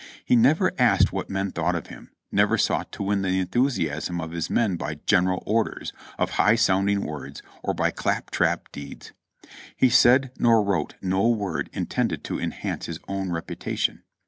He never asked what men thought of him ; never sought to win the en thusiasm of his men by "General Orders" of high sounding words or by clap trap deeds. He said nor wrote no word intended to enhance his own reputation.